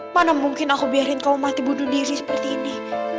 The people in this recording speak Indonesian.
mana mungkin aku biarin kau mati bunuh diri seperti ini